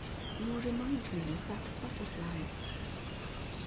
You remind me of that butterfly."